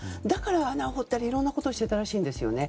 だから穴を掘ったりいろんなことをしていたらしいんです。